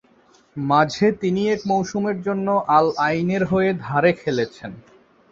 মাঝে তিনি এক মৌসুমের জন্য আল আইনের হয়ে ধারে খেলেছেন।